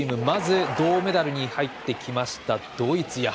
まず銅メダルに入ってきましたドイツ。